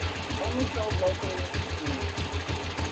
Only Sold locally in Japan.